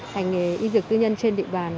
hành nghề y dược tư nhân trên địa bàn